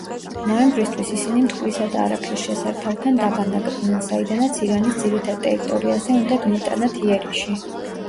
ნოემბრისთვის ისინი მტკვრისა და არაქსის შესართავთან დაბანაკდნენ, საიდანაც ირანის ძირითად ტერიტორიაზე უნდა მიეტანათ იერიში.